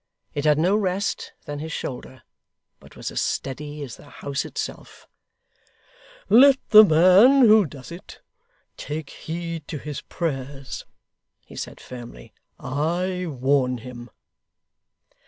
It had no other rest than his shoulder, but was as steady as the house itself. 'Let the man who does it, take heed to his prayers,' he said firmly; 'I warn him.